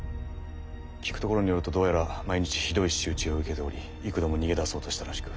聞くところによるとどうやら毎日ひどい仕打ちを受けており幾度も逃げ出そうとしたらしく。